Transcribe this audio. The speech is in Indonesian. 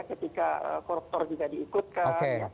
ketika koruptor juga diikutkan